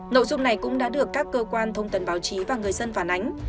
nội dung này cũng đã được các cơ quan thông tần báo chí và người dân phản ánh